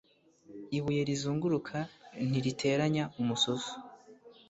Ibuye rizunguruka ntiriteranya umususu